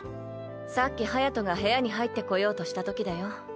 さっき隼が部屋に入ってこようとしたときだよ。